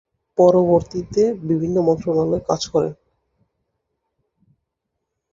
পরবর্তীতে বিভিন্ন মন্ত্রণালয়ে কাজ করেন।